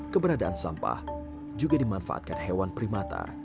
keberadaan sampah juga dimanfaatkan hewan primata